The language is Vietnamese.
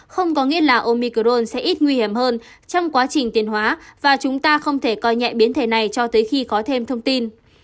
không có nghĩa là omicron sẽ ít nguy hiểm hơn trong quá trình tiền hóa và chúng ta không thể coi nhẹ biến thể này cho tới khi có thêm thông tin